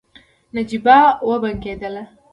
نجيبه وبنګېدله.